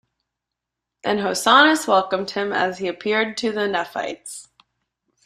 And hosannas welcomed him as he appeared to the Nephites.